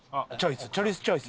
チョリスチョイス。